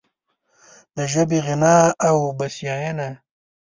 د ژبې غنا او بسیاینه